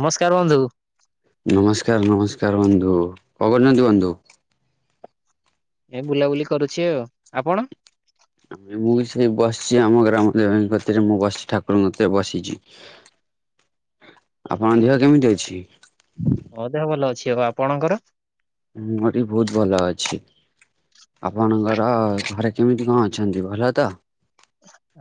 ନମସ୍କାର ବନ୍ଧୁ ନମସ୍କାର ନମସ୍କାର ବନ୍ଧୁ କଣ କରୁଛନ୍ତି ବନ୍ଧୁ? ଏ ବୁଲାବୁଲି କରୁଛି ଆଉ ଆପଣ---? ଆ ମୁଁ ବି ସେଇ ବସିଛି ଆମ ଗ୍ରାମ ଦେବୀଙ୍କତିରେ ମୁଁ ବସିଛି ଠାକୁରଙ୍କତିରେ ବସିଛି ଆପଣଙ୍କ ଦେହ କେମିତି ଅଛି? ହଁ ଦେହ ଭଲ ଅଛି। ଆଉ ଆପଣଙ୍କର? ହଁ ଏଠ ବହୁତ ଭଲ ଅଛି। ଆପଣଙ୍କର ଘରେ କେମିତି କଣ ଅଛନ୍ତି ଭଲ ତ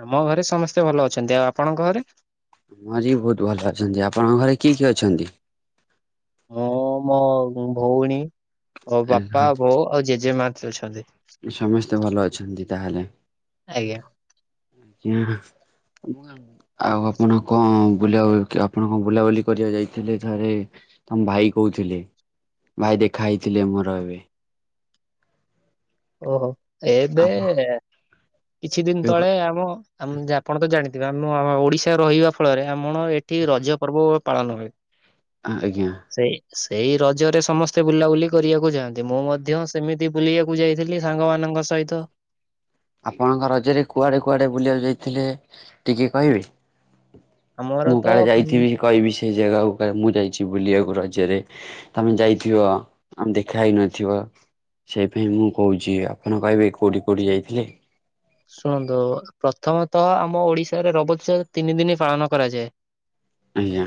ଆମ ଘରେ ସମସ୍ତେ ଭଲ ଅଛନ୍ତି ଆଉ ଆପଣଙ୍କ ଘରେ? ହଁଜି ବହୁତ ଭଲ ପାଛନ୍ତି ଆପଣଙ୍କ ଘରେ କିଏ କିଏ ଅଛନ୍ତି? ହଁ ମୋ ଭଉଣୀ ଓ ବାପା ବୋଉ ଆଉ ଜେଜେମା ଅଛନ୍ତି ସମସ୍ତେ । ଭଲ ଅଛନ୍ତି ତାହେଲେ ଆଜ୍ଞା। ଆଜ୍ଞା ଆଉ ଆପଣ କଣ ବୁ ଆପଣ କଣ ବୁଲାବୁଲି କରିବାକୁ ଯାଇଥିଲେ ଥରେ ତମ ଭାଇ କହୁଥିଲି ଭାଇ ଦେଖା ହେଇଥିଲେ ମୋର ଏବେ ଓହୋ ଏବେ କିଛି ଦିନ ତଳେ ଆମ ଆପଣ ତ ଜାଣି ଆମ ଓଡିଶାରେ ରହିବା ଫଳରେ ଆମର ଏଠି ରଜ ପର୍ବ ପାଳନ ହୁଏ। ଆଜ୍ଞା ସେଇ ସେଇ ରଜରେ ସମସ୍ତେ ବୁଲାବୁଲି କରିବାକୁ ଯାଆନ୍ତି ମୁଁ ମଧ୍ୟ ସେମିତି ବୁଲିବାକୁ ଯାଇ ଥିଲି ସାଙ୍ଗମାନଙ୍କ ସହିତ ଆପଣଙ୍କ ରଜରେ କୁଆଡେ କୁଆଡେ ବୁଲିବାକୁ ଯାଇଥିଲେ ଟିକେ କହିବେ? ଆମର ମୁଁ କାଳେ ତ ଯାଇଥିବି କହିବି ସେ ଜାଗାକୁ କା ମୁଁ ଯାଇଛି ବୁଲିବାକୁ? ରଜ ରେ ତମେ ଯାଇଥିବ ଆମେ ଦେଖା ହେଇନଥିବ ସେଇ ପାଇଁ ମୁଁ କହୁଛି ଆପଣ କହିବେ କୋଉଠି କୋଉଠି ଯାଇଥିଲେ? ଶୁଣନ୍ତୁ ପ୍ରଥମତଃ ଆମ ଓଡିଶାରେ ରବ ଉତ୍ସ ତିନି ଦିନ ପାଳନ କରାଯାଏ ଆଜ୍ଞା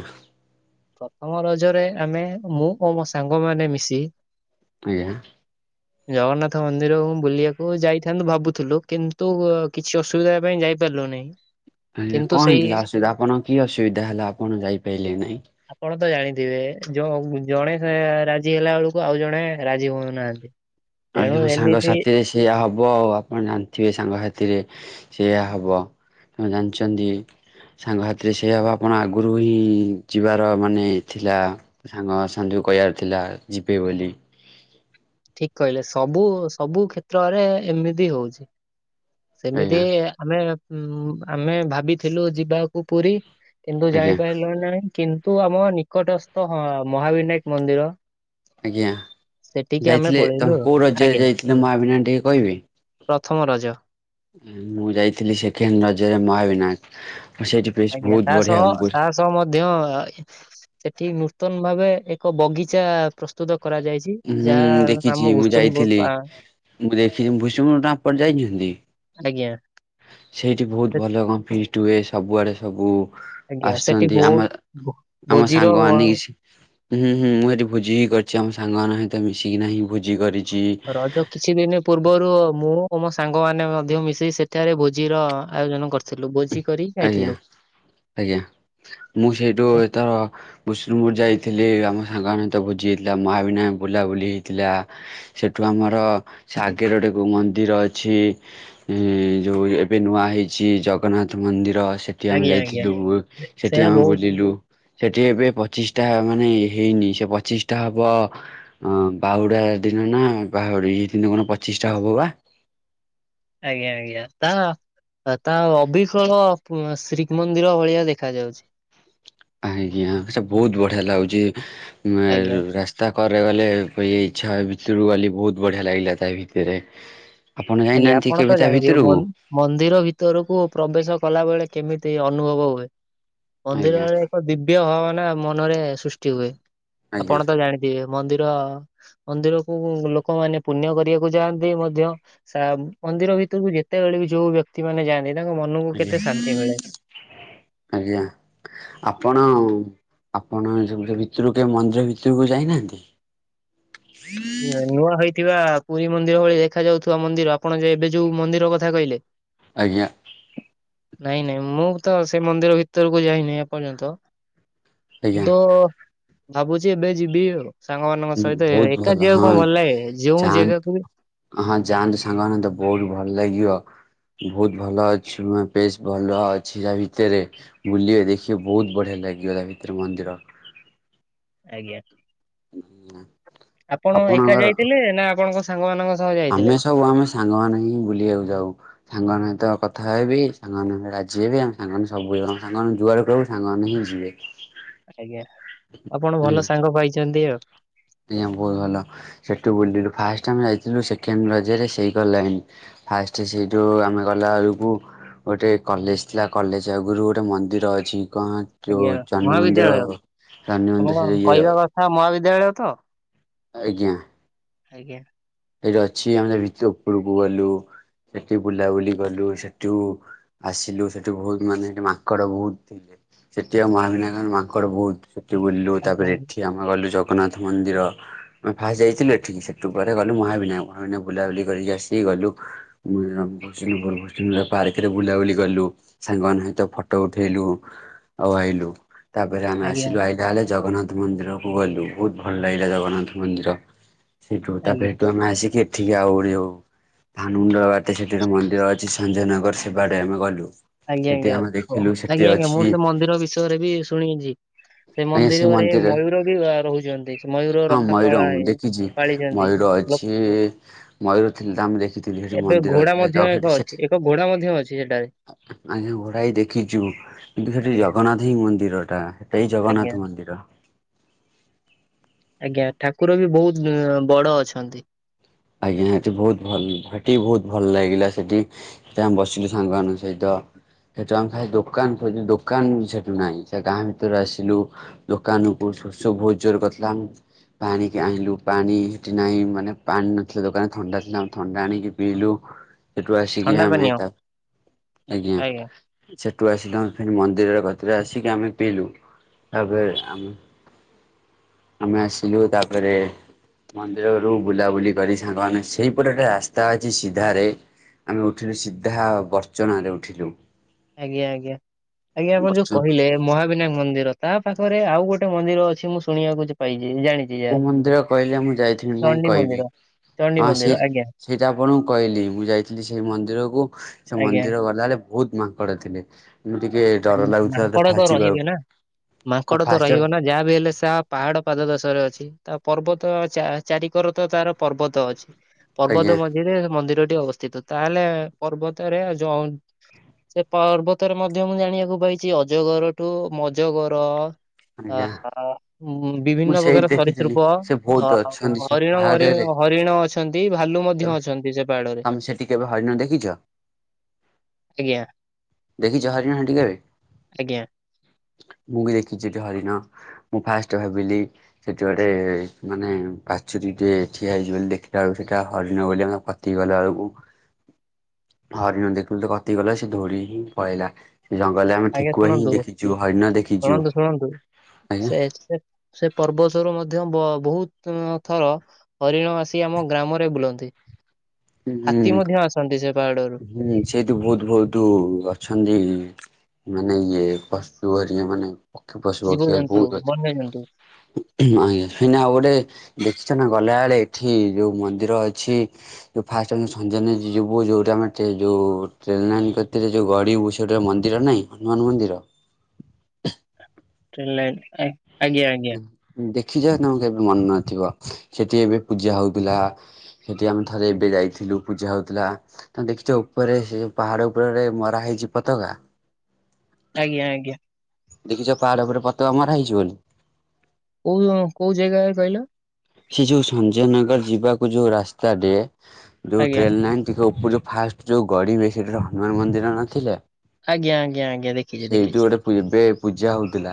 ପ୍ରଥମ ରଜରେ ଆମେ ମୁଁ ଓ ମୋ ସାଙ୍ଗ ମାନ ମିଶି ଆଜ୍ଞା ଜଗନ୍ନାଥ ମନ୍ଦିର ବୁଲିବାକୁ ଯାଇଥାନ୍ତୁ ଭାବୁଥିଲୁ କିନ୍ତୁ ତୁ କିଛି ଅସୁବିଧା ପାଇଁ ଯାଇପାରିଲୁ ନାହିଁ। ଆଜ୍ଞା କିନ୍ତୁ କଣ ସେଇ ହେଇଥିଲା ଅସୁବିଧା ଆପଣଙ୍କ କି ଅସୁବିଧା ହେଲା ଆପଣ ଯାଇପାରିଲେ ନାଇଁ ଇଏ ଜଣେ ରାଜି ହେଲା ବେଳକୁ ଆଉ ଜଣେ ରାଜି ହଉନାହାନ୍ତି । ଆଜ୍ଞା ସାଙ୍ଗସାଥିରେ ସେଇଆ ହବ । ହବ ଆଉ ଆପଣ ଜାଣିଥିବେ ସାଙ୍ଗସାଥିରେ ସେଇଆ ହେବ ଆପଣ ଜାଣିଛନ୍ତି। ସାଙ୍ଗସଥିରେ ସେଇ ହବ ଆପଣ ଆଗରୁ ହିଁ ଯିବାର ମାନେ ଥିଲା ସାଙ୍ଗ ସା କହିବାର ଥିଲା ଯିବେ ବୋଲି ଠିକ କହିଲେ ସବୁ ସବୁ କ୍ଷେତ୍ରରେ ଏମିତି ହଉଛି ଆଜ୍ଞା ସେମିତି ଆମେ ଆମେ ଭାବିଥିଲୁ ଯିବାକୁ ପୁରୀ କିନ୍ତୁ ଆଜ୍ଞା ଜାଣିପାରିଲ ନାହିଁ କିନ୍ତୁ ଆମ ନିକଟସ୍ଥ ମହାବିନାୟକ ମନ୍ଦିର ଆଜ୍ଞା ସେଠିକି ଆମେ ଯାଇଥିଲେ ପଳେଇଲୁ ତମେ ଆଉ କୋଉ ରଜ୍ୟରେ ଆଜ୍ଞା ଯାଇଥିଲେ ମହାବିନାୟକ ଟିକେ କହିଵେ? ପ୍ରଥମ ରଜ ମୁଁ ଯାଇଥିଲି ସେକେଣ୍ଡ ରଜରେ ମହାବିନାୟକ ସେଇଠି ବେଶ ଆଜ୍ଞା ବହୁତ ତା ବଢିଆ ସହ ହୁଁ ତା ସହ ମଧ୍ୟ ଠିକ ନୂତନ ଭାବେ ଏକ ବଗିଚା ପ୍ରସ୍ତୁତ। କରାଯାଇଛି ଯାହା ଦେଖିଛି ନାମ ମୁଁ ଯାଇଥିଲି। ଭୁସଣ୍ଡପୁର। ମୁଁ ଦେଖିଛି ଭୁସଣ୍ଡପୁର ଆପଣ ଯାଇଛନ୍ତି? ଆଜ୍ଞା ସେଇଠି ବହୁତ ସେ- ଭଲ କଣ ଫିଷ୍ଟ ହୁଏ। ସବୁଆଡେ ସବୁ। ଆଜ୍ଞା ସେଠି ଆସୁଛନ୍ତି ଆମ ବହୁତ ଆମ ସାଙ୍ଗ ଆ ଭୋଜିର ହୁଁ, ହୁଁ ମୁଁ ସେଠି ଭୋଜି ବି କରିଛି ଆମ ସାଙ୍ଗ ମାନଙ୍କ ସହିତ ମିଶିକି ନାହିଁ ଭୋଜି କରିଛି। ରଜ କିଛି ଦିନ ପୂର୍ବରୁ ମୁଁ, ଓ ମୋ ସାଙ୍ଗ ମାନ ମଧ୍ୟ ମିଶି ସେଠାରେ ଭୋଜି ର ଆୟୋଜନ କରିଥିଲୁ। ଭୋଜି କରି ଆଜ୍ଞା ଖାଇଥିଲୁ। ଆଜ୍ଞା ମୁଁ ସେଇଠୁ ଏଥର ଭୁସୁଣ୍ଡପୁରର ଯାଇଥିଲି ଆମ ସାଙ୍ଗ ଆମେ ଭୋଜି ହେଇଥିଲା ମହାବିନାୟକ ବୁଲାବୁଲି ହେଇଥିଲା ସେଠୁ ଆମର ସେ ଆଗରେ ଗୋଟେ ମନ୍ଦିର ଅଛି ଯୋଉ ଏବେ ନୂଆ ହେଇଛି ଜଗ ଜଗନ୍ନାଥ ମନ୍ଦିର ସେଠି ଆମେ ଆଜ୍ଞା ଆଜ୍ଞା ଯାଇଥିଲୁ ସେଠି ସେୟା ଆମେ ବହୁ ବୁଲିଲୁ। ସେଠି ଏବେ ପ୍ରଚିଷ୍ଟା ମାନେ ହେଇନି ସେ ପ୍ରଚିଷ୍ଟା ଟ ହବ ଅ ବାହୁଡ଼ା ଦିନ ନା ବାହୁଡ଼ି ଯାଇଛନ୍ତି କଣ ପତିଷ୍ଠା ହବପା ଆଜ୍ଞା, ଆଜ୍ଞା ତା, ତା ଅବିକଳ ଶ୍ରୀମନ୍ଦିର ଭଳିଆ ଦେଖା ଯାଉଛି। ଆଜ୍ଞା ସେଟା ବହୁତ ବଢିଆ ଲାଗୁଛି ଆଜ୍ଞା ରାସ୍ତା। ଥରେ ଗଲେ ଇଛା ଭିତରକୁ ଗଲି ବହୁତ ବଢିଆ ଲାଗିଲା ତା ଭିତରେ। ଆପଣ ଆଜ୍ଞା ଯାଇନାହାନ୍ତି ଆପଣ କେବେ ତ ତା ଜାଣିଥିବେ ଭିତରକୁ ମନ୍ଦିର ଭିତରକୁ ପ୍ରବେଶ କଲାବେଳେ କେମିତି ଅନୁଭବ ହୁଏ ଆଜ୍ଞା ମନ୍ଦିରରେ ଏକ ଦିବ୍ୟ ଭାବ ମନରେ ସୃଷ୍ଟି ହୁଏ ଆଜ୍ଞା ଆପଣ ତ ଜାଣିଥିବେ ମନ୍ଦିର। ମନ୍ଦିରକୁ ଲୋକମାନେ ପୁଣ୍ୟ କରିବାକୁ ଯାଆନ୍ତି ମଧ୍ୟ। ମନ୍ଦିର ଭିତରକୁ ଯେତେବେଳେ ବି ଯୋଉ ବ୍ୟକ୍ତି ମାନେ ଯାଆନ୍ତି। ତାଙ୍କ ମନକୁ [inaudible] କେତେ ଶାନ୍ତି ମିଳେ। ଆଜ୍ଞା ଆପଣ। ଆପଣ ସ ଭିତରକୁ କେ ମନ୍ଦିର ଭିତରକୁ ଯାଇନାହାନ୍ତି? [unintelligible] ଥିବା ପୁରୀ ମନ୍ଦିର ଭଳି ଦେଖାଯାଉଥିବା ମନ୍ଦିର ।ଆପଣ ଏବେ ଯୋଉ ମନ୍ଦିର କଥା କହିଲେ। ଆଜ୍ଞା। ନାଇଁ, ନାଇଁ ମୁଁ ତ ସେ ମନ୍ଦିର ଭିତରକୁ ଯାଇନି ଏପର୍ଯ୍ୟନ୍ତ। ଆଜ୍ଞା। ତ ଭାବୁଛି ଏବେ ଯିବି ଆଉ ସାଙ୍ଗମାନାନଙ୍କ ଉଁ, ସହିତ। ବହୁତ ଏକା ଭଲ ଯିବାକୁ ହଁ କଣ ଭଲ ଲାଗେ ଯୋଉ ଜାଗାକୁ ବି ଯାଆନ୍ତୁ ହଁ ଯାଆନ୍ତୁ ସାଙ୍ଗମାନଙ୍କ ସହିତ ବହୁତ ଭଲ ଲାଗିବ। [inaudible] ବହୁତ ଭଲ ଅଛି ।ବେଶ ଭଲ ଅଛି ତା ଭିତରେ। ବୁଲିବେ, ଦେଖିବେ ବହୁତ ବଢିଆ ଲାଗିବ। [unintelligible] ଆଜ୍ଞା। [inaudible] ଆପଣ ଏକା ଆପଣଙ୍କର ଯାଇଥିଲେ ନା ଆପଣଙ୍କ ସାଙ୍ଗ ମାନଙ୍କ ଆମେ ସବୁ ଆମେ ସାଙ୍ଗମାନେ ହିଁ ବୁଲିବାକୁ ଯାଉ ସାଙ୍ଗମାନଙ୍କ ସହିତ କଥା ହେବି। ସାଙ୍ଗମାନେ ରାଜି ହେବେ ଆ ସାଙ୍ଗମାନେ ସବୁ ସାଙ୍ଗମାନେ ଯୁଆଡ କୁ ସାଙ୍ଗମାନେ ହିଁ ଯିବେ। ଆଜ୍ଞା ଆପଣ ହୁଁ ଭଲ ସାଙ୍ଗ ପାଇଛନ୍ତି ଆଉ। ଆଜ୍ଞା ବହୁତ ଭଲ ସେଠୁ ବୁଲିଲୁ ଫାଷ୍ଟ ଆମେ ଯାଇଥିଲୁ ସେକେଣ୍ଡ ରଜରେ ସେଇ କର ଲାଇନ। ଫାଷ୍ଟ ସେଇ ଯୋଉ, ଆମେ ଗଲାବେଳକୁ। ଗୋଟେ କଲେଜ ଥିଲା। କଲେଜ ଆଗରୁ ଗୋଟେ ମନ୍ଦିର ଅଛି। କଣ ଯୋଉ ଆଜ୍ଞା ଚଣ୍ଡୀ ମନ୍ଦିର ମହାବିଦ୍ୟାଳୟ ଶନି ମନ୍ଦିର ସେ ତମ ଇଏ କହିବା କଥା ମହାବିଦ୍ୟାଳୟ ତ? ଆଜ୍ଞା। ଆଜ୍ଞା। ସେଇଟି ଅଛି ଆମେ ଭିତରକୁ ଉପରକୁ ଗଲୁ। ସେଠି ବୁଲାବୁଲି କଲୁ ସେଠୁ ଆସିଲୁ ସେଠୁ ବହୁତ ମାନେ, ସେଠି ମାଙ୍କଡ ବହୁତ ଥିଲେ। ସେଠି ମହାବିନାୟକ ରେ ମାଙ୍କଡ ବହୁତ। ସେଠି ବୁଲିଲୁ। ଆଜ୍ଞା ତାପରେ, ଏଠି ଆମେ ଗଲୁ ଜଗନ୍ନାଥ ମନ୍ଦିର ଆମେ ଫାଷ୍ଟ ଯାଇଥିଲୁ ଏଠିକି ସେଠୁ ପରେ ଗଲୁ। ଲୁ ମହାବିନାୟକ [unintelligible] ବୁଲାବୁଲି କରିକି ଆସିି ଗଲୁ [unintelligible] ପାର୍କରେ ବୁ ଲାବୁଲି କଲୁ ସାଙ୍ଗମାନ ହିତ ଫଟୋ ଉଠେଇଲୁ ଆଉ ଆଇଲୁ। ତାପରେ ଆମେ ଆଜ୍ଞା ଆସିଲୁ ଆଇଟାହଲେ ଜଗନ୍ନାଥ ମନ୍ଦିର କୁ ଗଲୁ ବହୁତ ଭଲ ଲାଗିଲା ଜଗନ୍ନାଥ ମନ୍ଦିର। ସେଇଠୁ ତାପରେ ଆଜ୍ଞା ମାସିକି ଏଠିକି ଆଉଳିଉ ଭାନୁଣ୍ଡ ବାଟେ ସେଠି ର ମନ୍ଦିର ଅଛି ସଞ୍ଜୟନଗର ସେ ବାଡେ ଆମେ ଗଲୁ। ଆଜ୍ଞା ସେଠି ଜ୍ଞା ଆମେ ଦେଖିଲୁ ସେଠି ଆଜ୍ଞା ଜ୍ଞା ଅଛି ମୁଁ ସେ ମନ୍ଦିର ବିଷୟରେ ବି ଶୁଣିଛି। ସେ ଆଜ୍ଞା ମନ୍ଦିରରେ ମନ୍ଦିର ମୟୂର ବି ଅ ରହୁଛନ୍ତି ମୟୂର ହଁ ରଖା ମୟୂର ମୁଁ ପାଳାହି ଦେଖିଛି। ପାଳିଛନ୍ତି। ମୟୂର ଲୋ ଅଛି ମୟୂର ଥିଲା ତ ଆମେ ଦେଖିଥିଲୁ ସେଠି ଏବେ ମନ୍ଦିର ଅଛି ଘୋଡା ମଧ୍ୟ ଜଗ ଏକ ସେଠି ଅଛି, ଏକ ଘୋଡା ମଧ୍ୟ ଅଛି ସେଠାରେ। ଆଜ୍ଞା ଘୋଡା ହି ଦେଖିଛୁ କିନ୍ତୁ ସେଠି ଆଜ୍ଞା ଜଗନ୍ନାଥ ହିଁ ମନ୍ଦିର ଟା ଏଇ ଆଜ୍ଞା। ଜଗନ୍ନାଥ ମନ୍ଦିର। ଆଜ୍ଞା ଠାକୁର ବି ବହୁତ ଉଁ ବଡ ଅଛନ୍ତି। ଆଜ୍ଞା ହେଠି ବହୁତ ଭଲ ହେଟି ବି ବହୁତ ଭଲ ଲାଗିଲା ସେଠି ସେ ଆମେ ବସିଲୁ ସାଙ୍ଗମାନାନଙ୍କ ସହିତ। ସେଠୁ ଆମେ ଖାଲି ଦୋକାନ ଖୋଜି ଦୋକାନ ସେଠୁ ନାହିଁ, ସେ ଗାଁ ଭିତରେ ଆସିଲୁ ଦୋକାନକୁ। ଶୋଷ ବହୁତ ଜୋର କରିଥିଲା। ପାଣିକି ଆଣିଲୁ ପାଣି ସେଠି ନାହିଁ ମାନେ ପାଣି ସେ ଦୋକାନରେ ଥଣ୍ଡା ଥିଲା ଆେ ଥଣ୍ଡା ଆଣିକି ପିଇଲୁ। ସେଠୁ ଆସିକି ଥଣ୍ଡା ଆମେ ପାନୀୟ ଆଜ୍ଞା ତା, ଆଜ୍ଞା ସେଠୁ ଆସିକି ଆମେ ଫେ ମନ୍ଦିର ତରେ ଆସିିକି ଆମେ ପିଲୁ। ତାପରେ ଆମେ ଆମେ ଆସିଲୁ ତାପରେ? ମନ୍ଦିରରୁୁ ବୁଲାବୁଲି କରି ସାଙ୍ଗମାନେେ ସେଇପଟେ ଟେ ରାସ୍ତା ଅଛି ସିଧାରେ ଆମେ ଉଠିଲୁ ସିଧା ବର୍ଚ୍ଚନା ରେ ଉଠିଲୁ। ଆଜ୍ଞା ଆଜ୍ଞା, ଆଜ୍ଞା ଆପଣ ବର୍ଚ୍ଚ ଯୋଉ କହିଲେ ମହାବିନାୟକ ମନ୍ଦିର ତା ପାଖରେ ଆଉ ଗୋଟେ ମନ୍ଦିର ଅଛି ମୁଁ ଶୁଣିବାକୁ ଜେ ପାଇଛି। ଜାଣିଛି କୋଉ ଯାହା। ମନ୍ଦିର କହିଲେ, ମୁଁ ଯାଇଥିଲି ନାଇଁ ଚଣ୍ଡୀ କହିବି। ମନ୍ଦିର ଚଣ୍ଡୀ ହଁ ସେ ମନ୍ଦିର ଆଜ୍ଞା ସେଇଟା ଆପଣଙ୍କୁ କହିଲି ମୁଁ ଯାଇଥିଲି ସେଇ ମନ୍ଦିରକୁ ସେ ଆଜ୍ଞା ମନ୍ଦିର ଗଲାଳେ ବହୁତ ମାଙ୍କଡ଼ ଥିଲେ। ମୁଁ ଟିକେ ଡର ଆଜ୍ଞା ଲାଗୁଥିଲା ମାଙ୍କଡ ତ ଫାଚିବାଉ ରହିବେ ନା ମାଙ୍କଡ ତ ରହିବ ନା ଯାହା ବି ହେଲେ ସା ପାହାଡ ପାଦ ଦସରେଛି ଛି, ତା ପର୍ବତ ଚା ଚାରିିକର ତ ତାର ପର୍ବତ ଅଛି। ଆଜ୍ଞା ପର୍ବତ ମଝିରେ ମନ୍ଦିର ଟି ଅବସ୍ଥିତ ତାହେଲେ ପର୍ବତରେ ଜ‌ଉ ସେ ପର୍ବ ତରେ ମଧ୍ୟ ମୁଁ ଜାଣିବାକୁ ପାଇଛି ଅଜଗରଠୁ ମଜଗର ଆ ଆଜ୍ଞା ହା ଉଁ ମୁଁ ବିଭିନ୍ନ ସେଇଠି ପ୍ରକାର ଦେଖିଥିଲି ସରିସୃପ ସେ ବହୁତ ଅଛନ୍ତି [unintelligible] ସେ ହରିଣ ମରି ପାହାଡରେ ହରିଣ ଅଛନ୍ତି ଭାଲୁ ମଧ୍ୟ ଅଛନ୍ତି ସେ ପାହାଡରେ। ତମେ ସେଠି କେବେ ହରିଣ ଦେଖିଛ ଆଜ୍ଞା। ଦେଖି ଛ ହରିଣ ହେଟି କେବେ। ଆଜ୍ଞା ମୁଁ ବି ଦେଖିଛି ସେଠି ହରିଣ। ମୁଁ ଫାଷ୍ଟ ଭାବିଲି ସେଠି ଗୋଟେ ମାନେ ପାଛୁରୀ ଟେ ଠିଆ ହେଇଛି ବୋଲି ଦେଖଟା ବେଳକୁ ସେଇଟା ହରିଣ ବୋଲି ଆମେ ପତି ଗଲା ବେଳକୁ ହରିଣ ଦେଖଥିଲୁ ତ କତି ଗଲା ସେ ଧୋଡି କି ପଳଲା। ଜଙ୍ଗଲରେ ଆମେ ଆଜ୍ଞା ଠେକୁଆ ହିଁ ଶୁଣନ୍ତୁ ଦେଖିଛୁ ହଇଣ ଦେଖିଛୁ। ଶୁଣନ୍ତୁ ଶୁଣନ୍ତୁ ଆଜ୍ଞା ପର୍ବସରୁ ମଧ୍ୟ ବ ବହୁତ ଥର ହରିଣ ଆସି ଆମ ଗ୍ରାମରେ ବୁଲନ୍ତି। ହୁଁ। ହାତୀ ମଧ୍ୟ ଆସନ୍ତି ସେ ପାହାଡରୁ ହୁଁ ସେଇଠୁ ବହୁତ ବହୁତ ଅଛନ୍ତି ମାନେ ଇଏ କଷ୍ଟୁଓରିଆ ମାନେ ପକ୍ଷୀ ପଶୁ ପକ୍ଷୀ [unintelligible] ଆଉ ଜୀବଜନ୍ତୁ ଗୋଟେ ବନ୍ୟଜନ୍ତୁ ଚନା ଗଲା ବେଳେ ଏଠି ଯୋଉ ମନ୍ଦିର ଅଛି ଉ ଫାଷ୍ଟ ଆ ସଞଜନ ଯିବୁ ଯୋଉଟା ଆମେ ଟେ ଯୋଉ ଟ୍ରେନଲାନ ଯୋଉ କତିରେ ଗଡିିବୁ ସେଟ ମନ୍ଦିର ଡ ନାଇଁ ହନୁମାନ ମନ୍ଦିର। ଟ୍ରେନ ଲାଇନ୍ ଆଇ ଦେଖିଯ ତାମକୁ ଏବେ ମନ ନଥିବ ସେଠି ଏବେ ପୂଜା ହଉଥିଲା। ସେଠି ଆମେ ଥରେ ଏବେ ଯାଇଥିଲୁ ପୂଜା ହଉଥିଲା। ତ ଦେଖିଛ ଉପରେ ସେ ପାହାଡ ଉପରେରେ ମରା ହେଇ ଜି ପତାକା ଆଜ୍ଞା ଆଜ୍ଞା। ଦେଖିଛ ପାହାଡ ଉପରେ ପତକା ମରାହେଇଛି ବୋଲି। କୋଉ କୋଉ ଜାଗା କହିଲ। ସେ ଯୋଉ ସଞ୍ଜୟନଗର ଯିବାକୁ ଯୋଉ ରାସ୍ତାଟେ ଯୋଉ ଆଜ୍ଞା ଟ୍ରେନଲାଇନ ଟିକେ ଯଉ ଫାଷ୍ଟ ଯୋଉ ଗଡ଼ିବେ ସେଠ ହନୁମାନ ମନ୍ଦିର ନଥିଲେ। ଆଜ୍ଞା ଆଜ୍ଞା ଆଜ୍ଞା ଦେଖିଛି ଦେଖିଛି। ଏ ପୂଜା ହେଉଥିଲା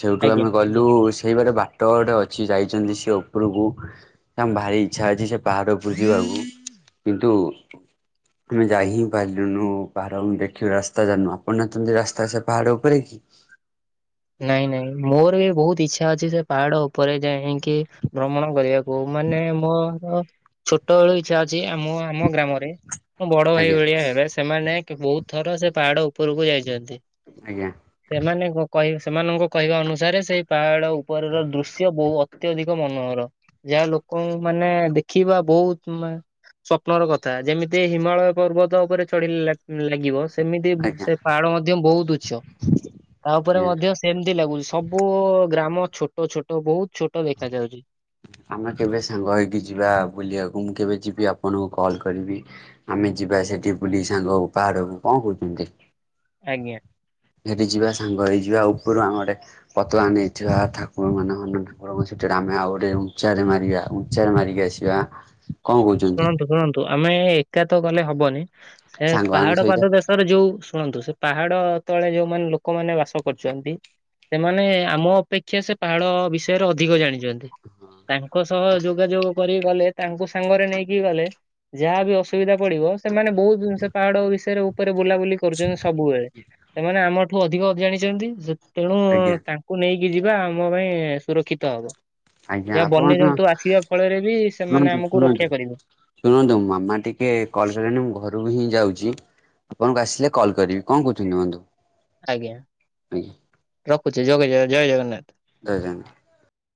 ସେଇଠୁ ଆଜ୍ଞା। ଆମେ ଗଲୁ ସେଇପଟ ବାଟ ଗୋଟେ ଅଛି ଯାଇଛନ୍ତି ସେ ଉପରକୁ ତାଙ୍କ ଭାରି ଇଚ୍ଛା ଅଛି ସେ ପାହାଡ଼ ଉପ ଯିବା କିନ୍ତୁ ଆମେ ଯାଇ ହିଁ ପାରିଲୁନୁ ପାହାଡ଼ ଦେଖିବୁ ରାସ୍ତା ଜାଣୁ ଆପଣ ନା ତତି ରାସ୍ତା ସେ ପାହାଡ ଉପରେ କି? [inaudible] ନାଇଁ ନାଇଁ ମୋର ବି ବହୁତ ଇଛା ଅଛି ସେ ପାହାଡ ଉପରେ ଯାଇକି ଭ୍ରମଣ କରିବାକୁ। ମାନେ ମୋର ଛୋଟବେେଳୁ ଇଚ୍ଛା ଅଛି ଆମ ଆମ ଗ୍ରାମରେ ମଁ ବଡଭାଇ ଆଜ୍ଞା ଭଳିଆ ହେବେ ସେମାନେ ବହୁତଥର ସେ ପାହାଡ ଉପରକୁ ଯାଇଛନ୍ତି। ଆଜ୍ଞା। ହ ସେମାନଙ୍କ କହିବା ଅନୁସାରେ ସେଇ ପାହାଡ ଉପରର ଦୃଶ୍ୟ ବହୁ ଅତ୍ୟଧିକ ମନୋହର। ଯାହା ଲୋକଙ୍କୁ ମାନେ ଦେଖିବା ବହୁତ ମାନେ ସ୍ୱପ୍ନ ର କଥା ଯେମିତି ହିମାଳୟ ପର୍ବତ ଉପରେ ଚଢିଲେ ଲାଗିବ ସେମିତି ଆଜ୍ଞା ସେ ପାଡ଼ ମଧ୍ୟ ବହୁତ ଉଚ୍ଚ ତା ଉପରେ ଆଜ୍ଞା। ମଧ୍ୟ ସେମିତି ଲାଗୁଛି ସବୁ ଗ୍ରାମ ଛୋଟ ଛୋଟ ବହୁତ ଛୋଟ ଦେଖା ଯାଉଛି। ଆମେ କେବେ ସାଙ୍ଗ ହେଇକି ଯିବା ବୁଲିବାକୁ ମୁଁ କେବେ ଯିବି ଆପଣଙ୍କୁ କଲ୍ କରିବି ଆମେ ଯିବା ସେଠି ବୁଲି ସାଙ୍ଗ ପାହାଡକୁ କଣ କହୁଛନ୍ତି। ଆଜ୍ଞା। ଘରି ଯିବା ସାଙ୍ଗ ହେଇଯିବା ଉପରୁ ଆମେ ପତଳା ନେଇଥିବା ଠାକୁର ମାନେ ଠାକୁରଙ୍କ ଆମେ ଆଉ ଗୋଟେ ଉଚରେ ମାରିବା ଉଞ୍ଚରେ ମାରିକି ଆସିବା କଣ କହୁଛନ୍ତି। ଶୁଣନ୍ତୁ ଶୁଣନ୍ତୁ ଆମେ ଏକା ତ ଗଲେ ହବନି ସେ ସାଙ୍ଗମାନଙ୍କ ପାହାଡ଼ ସହିତ ପାଦ ଦେଶରେ ଯୋଉ ଶୁଣନ୍ତୁ ସେ ପାହାଡ଼ ଯେତେଳେ ଯୋଉମାନେ ଲୋକମାନେ ବାସ କରୁଛନ୍ତି। ସେମାନେ ଆମ ଅପେକ୍ଷା ସେ ପାହାଳ ବିଷୟରେ ଅଧିକ ଜାଣିଛନ୍ତି। ତାଙ୍କ ସହ ଯୋଗାଯୋଗ କରି ଗଲେ ତାଙ୍କ ସାଙ୍ଗରେ ନେଇକି ଗଲେ ଯାହା ବି ଅସୁବିଧା ପଡିବ ସେମାନେ ବହୁତ ଜିନିଷ ପାହାଡ ବିଷୟରେ ଉପରେ ବୁଲାବୁଲି କରୁଛନ୍ତି ସବୁବେଳେ ସେମାନେ ଆମଠୁ ଅଧିକ ଜାଣିଛନ୍ତି। ତେଣୁ ଆଜ୍ଞା ତାଙ୍କୁ ନେଇକି ଯିବା ଆମ ପାଇଁ ସୁରକ୍ଷିତ ହବ। ଆଜ୍ଞା ଯ ଆପଣ ବନ୍ୟଜନ୍ତୁ ଆସିବା ଫଳରେ ବି ସେମାନେ ଶୁଣନ୍ତୁ ଆମକୁ ରଖ ଶୁଣନ୍ତୁ ଶୁଣନ୍ତୁ ମାମା ଟିକେ କଲ କଲେଣି ମୁଁ ଘରକୁ ହିଁ ଯାଉଚି। ଆପଣଙ୍କୁ ଆସିଲେ କଲ କରିବି କଣ କହୁଛନ୍ତି ବନ୍ଧୁ ଆଜ୍ଞା ଆଜ୍ଞା ରଖୁଛିୁ ଜଗେ ଜୟେ ଜଗନ୍ନାଥ। ଜୟ ଜଗନ୍ନାଥ।